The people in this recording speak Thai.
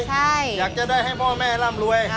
อยากจะได้ให้พ่อแม่ร่ำรวย